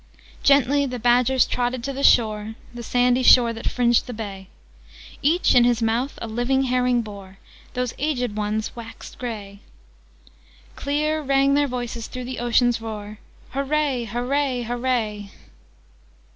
"Gently the Badgers trotted to the shore The sandy shore that fringed the bay: Each in his mouth a living Herring bore Those aged ones waxed gay: Clear rang their voices through the ocean's roar, 'Hooray, hooray, hooray!'"